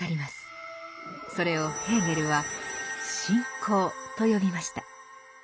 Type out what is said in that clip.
それをヘーゲルは「信仰」と呼びました。